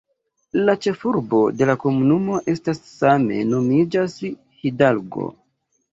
La ĉefurbo de la komunumo estas same nomiĝas "Hidalgo".